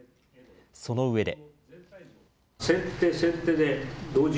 そのうえで。